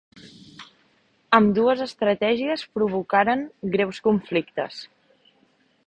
Ambdues estratègies provocaren greus conflictes.